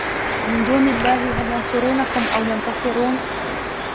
مِنْ دُونِ اللَّهِ هَلْ يَنْصُرُونَكُمْ أَوْ يَنْتَصِرُونَ